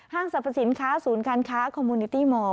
สรรพสินค้าศูนย์การค้าคอมมูนิตี้มอร์